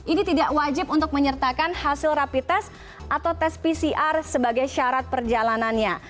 ini tidak wajib untuk menyertakan hasil rapi tes atau tes pcr sebagai syarat perjalanannya